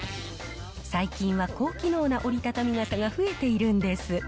最近は高機能な折りたたみ傘が増えているんです。